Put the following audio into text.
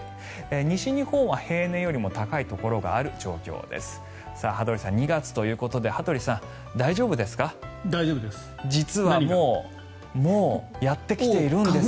西日本は平年よりも高いところがある状況です。